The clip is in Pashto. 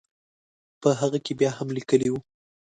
په هغه کې بیا هم لیکلي وو.